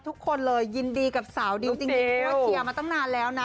ทุกคนเลยยินดีกับสาวดิวจริงเพราะว่าเชียร์มาตั้งนานแล้วนะ